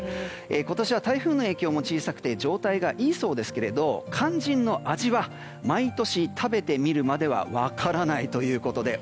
今年は台風の影響も小さくて状態はいいそうですけれども肝心の味は毎年食べてみるまでは分からないということです